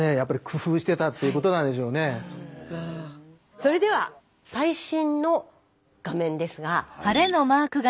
それでは最新の画面ですが。